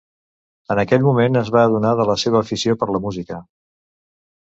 En aquell moment es va adonar de la seva afició per la música.